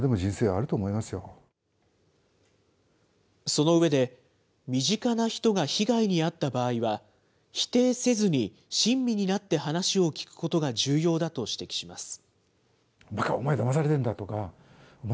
その上で、身近な人が被害に遭った場合は、否定せずに親身になって話を聞くことが重要だと指摘します。